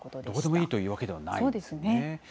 どこでもいいというわけではないんですね。